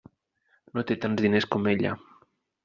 No té tants diners com ella.